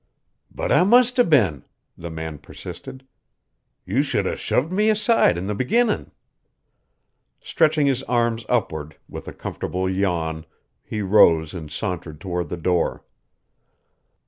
"But I must 'a' been," the man persisted. "You should 'a' shoved me aside in the beginnin'." Stretching his arms upward with a comfortable yawn, he rose and sauntered toward the door.